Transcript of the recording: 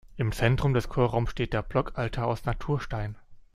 Im Zentrum des Chorraums steht der Blockaltar aus Naturstein.